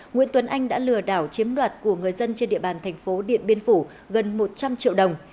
nguyễn tuấn anh đã lừa đảo chiếm đoạt của người dân trên địa bàn thành phố điện biên phủ gần một trăm linh triệu đồng